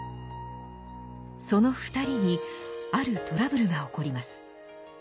その２人にあるトラブルが起こります。